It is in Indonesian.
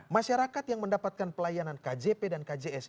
masyarakat yang mendapatkan pelayanan kjp dan kjs